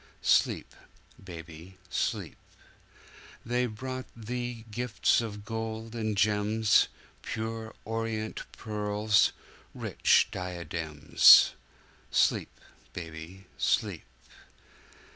Sleep, baby, sleep! They brought Thee gifts of gold and gems, Pure orient pearls, rich diadems. Sleep, baby, sleep!